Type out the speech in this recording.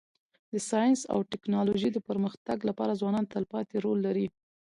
د ساینس او ټکنالوژۍ د پرمختګ لپاره ځوانان تلپاتی رول لري.